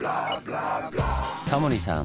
タモリさん